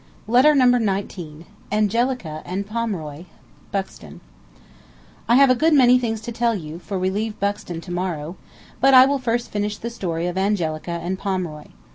Letter Number Nineteen BUXTON I have a good many things to tell you, for we leave Buxton to morrow, but I will first finish the story of Angelica and Pomeroy.